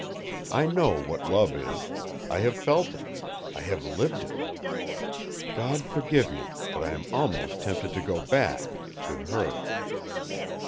I know what love is. I have felt it. I have lived it. God forgive me, but I am almost tempted to go back to HER!"